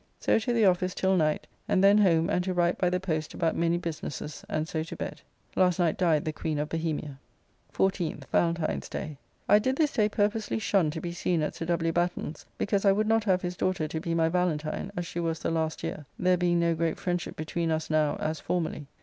So to the office till night, and then home and to write by the post about many businesses, and so to bed. Last night died the Queen of Bohemia. 14th (Valentine's day). I did this day purposely shun to be seen at Sir W. Batten's, because I would not have his daughter to be my Valentine, as she was the last year, there being no great friendship between us now, as formerly.